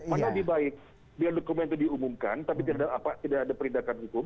mana lebih baik biar dokumen itu diumumkan tapi tidak ada perindakan hukum